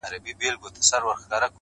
کرښه د باندي ایستلې چا ده!!